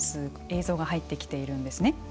映像が入ってきているんですね。